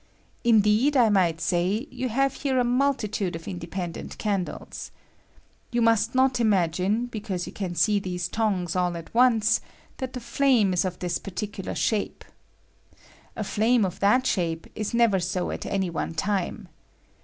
Indeed, I might say, jou have here a multitude I of independent candles. You must not imagine, because you see these t ongues all at once, that the flame is of this particular shape. A flmne I of that shape is never so at any one time.